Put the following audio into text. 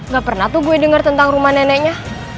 gak pernah tuh gue dengar tentang rumah neneknya